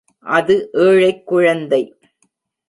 அது ஏழைக் குழந்தை.